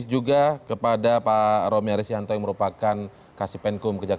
jadi ini tetap akan membuat